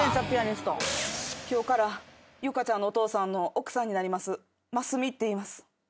今日からゆかちゃんのお父さんの奥さんになりますますみっていいます。